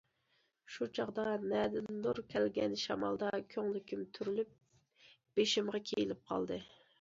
شۇ چاغدا نەدىندۇر كەلگەن شامالدا كۆڭلىكىم تۈرۈلۈپ بېشىمغا كىيىلىپ قالدى.